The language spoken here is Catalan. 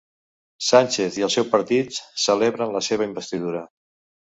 Sánchez i el seu partit celebren la seva investidura